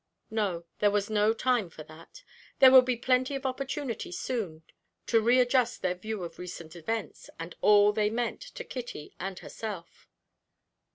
No, there was no time for that, there would be plenty of opportunity soon, to readjust their view of recent events, and all that they meant to Kitty and herself.